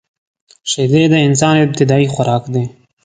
شیدې د انسان ابتدايي خوراک دی